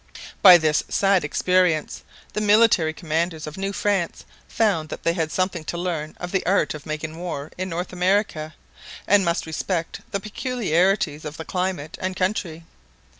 By this sad experience the military commanders of New France found that they had something to learn of the art of making war in North America, and must respect the peculiarities of the climate and country.